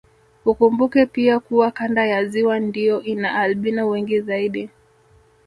Ukumbuke pia kuwa kanda ya ziwa ndio ina albino wengi zaidi